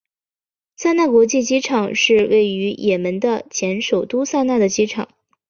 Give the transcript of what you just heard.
萨那国际机场是位于也门的前首都萨那的机场。